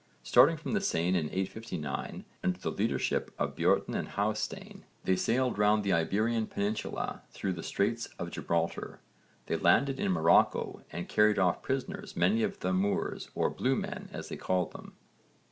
Starting from the Seine in 859 under the leadership of Björn and Hásteinn, they sailed round the Iberian Peninsula through the Straits of Gibraltar. They landed in Morocco and carried off prisoners many of the Moors or 'Blue men' as they called them.